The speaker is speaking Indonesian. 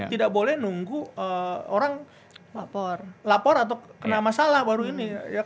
tidak boleh nunggu orang lapor atau kena masalah baru ini